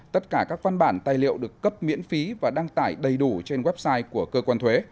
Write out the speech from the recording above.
tất cả các văn bản tài liệu được cấp miễn phí và đăng tải đầy đủ trên website của cơ quan thuế